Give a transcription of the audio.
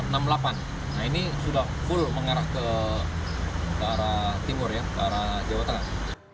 nah ini sudah full mengarah ke arah timur ya ke arah jawa tengah